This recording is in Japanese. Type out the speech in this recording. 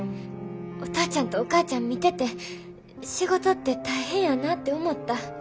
お父ちゃんとお母ちゃん見てて仕事って大変やなて思った。